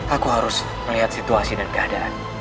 aku harus melihat situasi dan keadaan